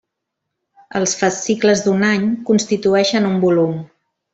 Els fascicles d'un any constitueixen un volum.